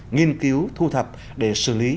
nghiên cứu thu thập để xử lý